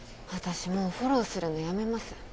私もうフォローするのやめます。